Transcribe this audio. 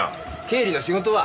経理の仕事は？